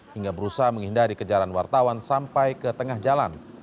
hingga berusaha menghindari kejaran wartawan sampai ke tengah jalan